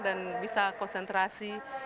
dan bisa konsentrasi